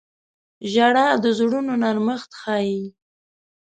• ژړا د زړونو نرمښت ښيي.